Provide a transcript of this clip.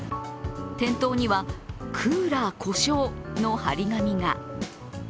店頭には「クーラー故障」の貼り紙が。